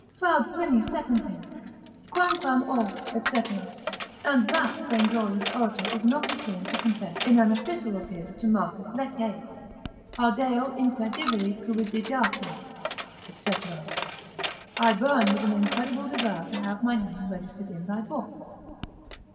Proud Pliny seconds him; Quamquam O! &c. and that vainglorious orator is not ashamed to confess in an Epistle of his to Marcus Lecceius, Ardeo incredibili cupididate, &c. I burn with an incredible desire to have my name registered in thy book.